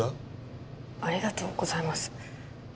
ありがとうございます。